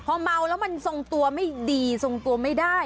พอเมาแล้วมันทรงตัวไม่ดีทรงตัวไม่ได้